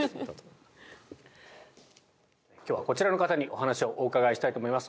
今日はこちらの方にお話をお伺いしたいと思います。